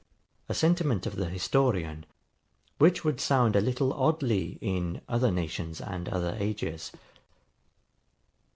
A sentiment of the historian, which would sound a little oddly in other nations and other ages.